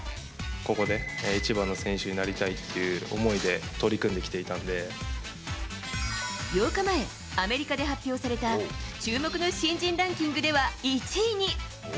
ここで一番の選手になりたいっていう思いで取り組んできてい８日前、アメリカで発表された注目の新人ランキングでは１位に。